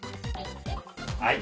はい。